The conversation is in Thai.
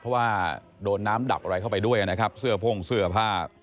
เพราะว่าโดนน้ำดับอะไรเข้าไปด้วยนะครับเสื้อโพ่งเสื้อผ้า